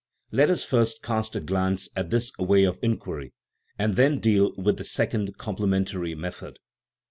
Let us first cast a glance at this way of inquiry, and then deal with the second, complementary, method.